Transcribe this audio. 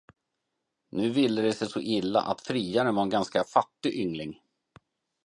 Nu ville det sig så illa, att friaren var en ganska fattig yngling.